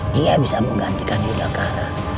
dia bisa menggantikan yudhakara